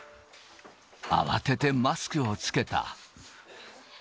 慌ててマスクを着けた。